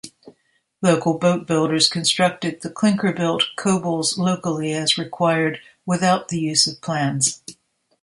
Local boat-builders constructed the clinker-built cobles locally as required, without the use of plans.